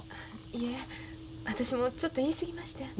いえ私もちょっと言い過ぎましてん。